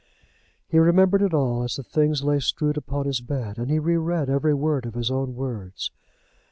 He remembered it all as the things lay strewed upon his bed. And he re read every word of his own words.